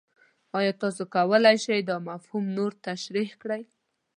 ایا تاسو کولی شئ دا مفهوم نور تشریح کړئ؟